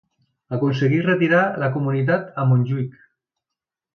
Aconseguí retirar la comunitat a Montjuïc.